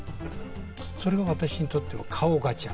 それは私にとっては顔ガチャ。